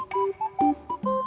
sudah mau juhur